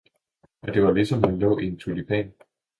det var ligesom om han laae i en Tulipan.